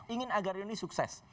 ingin agar ini sukses